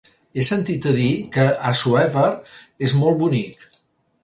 He sentit a dir que Assuévar és molt bonic.